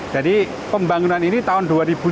jadi pembangunan ini tahun dua ribu lima belas